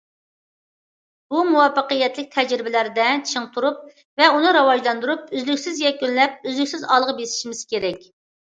بۇ مۇۋەپپەقىيەتلىك تەجرىبىلەردە چىڭ تۇرۇپ ۋە ئۇنى راۋاجلاندۇرۇپ، ئۈزلۈكسىز يەكۈنلەپ، ئۈزلۈكسىز ئالغا بېسىشىمىز كېرەك.